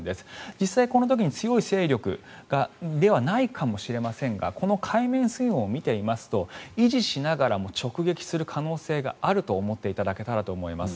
実際、この時に強い勢力ではないかもしれませんがこの海面水温を見ていますと維持しながらも直撃する可能性があると思っていただけたらと思います。